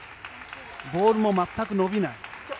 ボールも全く伸びない。